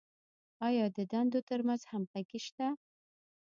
آیا د دندو تر منځ همغږي شته؟